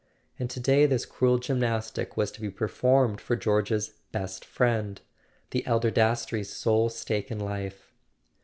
And today this cruel gymnastic was to be performed for George's best friend, the elder Dastrey's sole stake in life